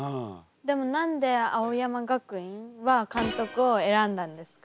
でも何で青山学院は監督を選んだんですか？